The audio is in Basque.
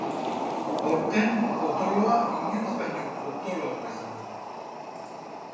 Aurten, potoloa inoiz baino potoloagoa izango da.